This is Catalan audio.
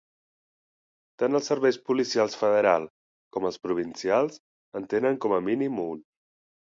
Tant els serveis policials federal com els provincials en tenen com a mínim un.